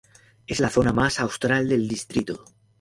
Es la zona más austral del distrito.